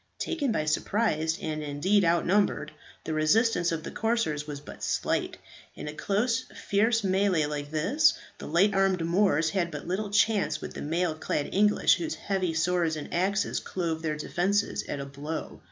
Taken by surprise, and indeed outnumbered, the resistance of the corsairs was but slight. In a close fierce mˆl‚e like this the light armed Moors had but little chance with the mail clad English, whose heavy swords and axes clove their defences at a blow.